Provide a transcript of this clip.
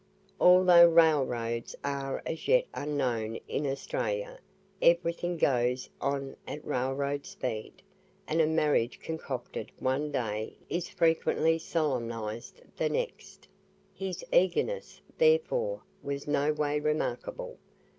Although railroads are as yet unknown in Australia, everything goes on at railroad speed; and a marriage concocted one day is frequently solemnized the next. His eagerness, therefore, was no way remarkable.